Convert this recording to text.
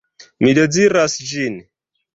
Mi deziras ĝin.